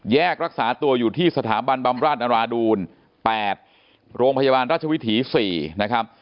รักษาตัวอยู่ที่สถาบันบำราชนราดูล๘โรงพยาบาลราชวิถี๔นะครับ